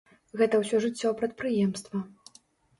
Гэта ўсё жыццё прадпрыемства.